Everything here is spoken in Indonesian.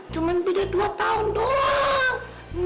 cuma beda dua tahun doang